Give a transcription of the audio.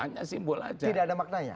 tidak ada maknanya